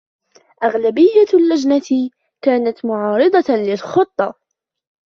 أغلبية اللجنة كانت معارضةً للخطة.